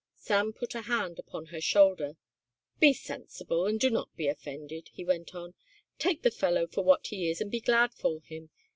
Sam put a hand upon her shoulder. "Be sensible and do not be offended," he went on: "take the fellow for what he is and be glad for him.